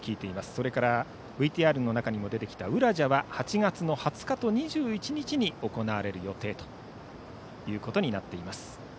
それから、ＶＴＲの中にも出てきた、うらじゃは８月２０日と２１日に行われる予定ということになっています。